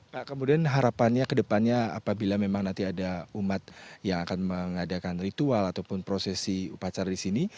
pak kemudian harapannya kedepannya apabila memang nanti ada umat yang akan mengadakan ritual ataupun prosesi upacara disini